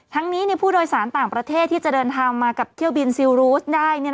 นี้ผู้โดยสารต่างประเทศที่จะเดินทางมากับเที่ยวบินซิลรูสได้